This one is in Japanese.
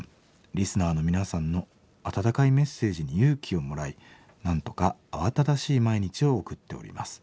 リスナーの皆さんの温かいメッセージに勇気をもらいなんとか慌ただしい毎日を送っております。